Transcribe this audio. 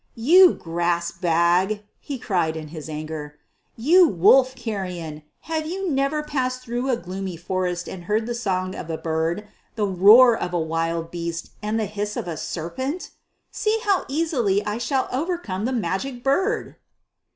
"You grass bag," he cried in his anger, "you wolf carrion, have you never passed through a gloomy forest and heard the song of a bird, the roar of a wild beast, and the hiss of a serpent? See how easily I shall overcome the Magic Bird!"